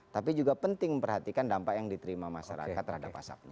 tapi juga penting memperhatikan dampak yang diterima masyarakat